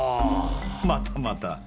またまた。